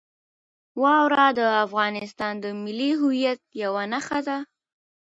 واوره د افغانستان د ملي هویت یوه نښه ده.